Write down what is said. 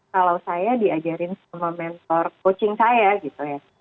kalau saya diajarin sama mentor coaching saya gitu ya